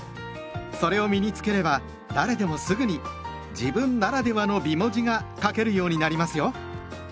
それを身に付ければ誰でもすぐに「自分ならではの美文字」が書けるようになりますよ。